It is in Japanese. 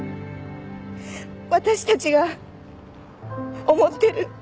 私たちが思ってる。